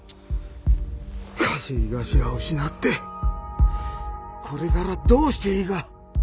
稼ぎ頭を失ってこれからどうしていいか。